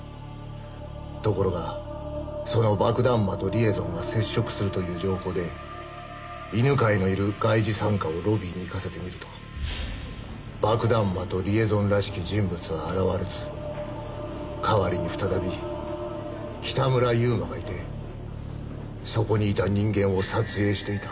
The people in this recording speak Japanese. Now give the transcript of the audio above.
ところがその爆弾魔とリエゾンが接触するという情報で犬飼のいる外事三課をロビーに行かせてみると爆弾魔とリエゾンらしき人物は現れず代わりに再び北村悠馬がいてそこにいた人間を撮影していた。